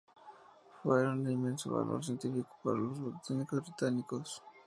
Fueron de inmenso valor científico para los botánicos británicos.